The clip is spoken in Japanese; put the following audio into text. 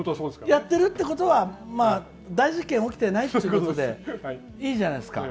やっているということは大事件が起きていないってことでいいじゃないですか。